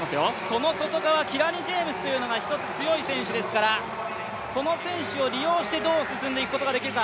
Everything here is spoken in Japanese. その外側、キラニ・ジェームスが１つ、強い選手ですからこの選手を利用してどう進んでいくことができるか。